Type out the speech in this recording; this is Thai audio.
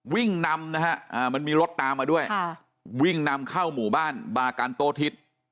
วิ่งนำนะฮะมันมีรถตามมาด้วยวิ่งนำเข้าหมู่บ้านบากันโตทิศ